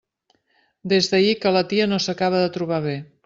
Des d'ahir que la tia no s'acaba de trobar bé.